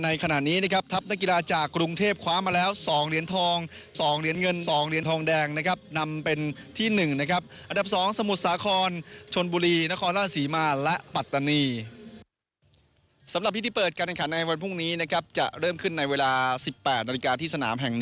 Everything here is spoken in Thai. เอาชนะกันดพรสิงหะบุภาและภิพงธนาชัยคู่ของสรบุรีที่ได้เงินไปถึง๓๐๓คะแนน